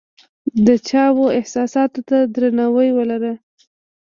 د چا و احساساتو ته درناوی ولره !